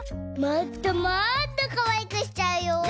もっともっとかわいくしちゃうよ！